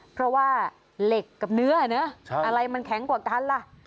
เพราะว่าเหล็กกับเนื้อนะอะไรมันแข็งกว่ากันล่ะ